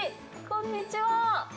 こんにちは。